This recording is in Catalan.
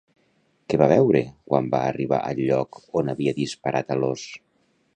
Què va veure quan va arribar al lloc on havia disparat a l'ós?